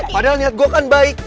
padahal niat gue kan baik